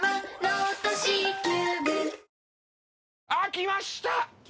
きました！